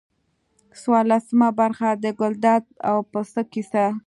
څوارلسمه برخه د ګلداد او پسه کیسه.